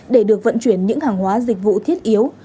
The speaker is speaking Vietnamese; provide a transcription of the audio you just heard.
để được vận chuyển những hàng hóa dịch vụ thiết yếu